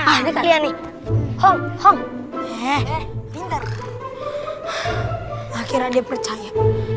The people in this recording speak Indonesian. akhirnya dia percaya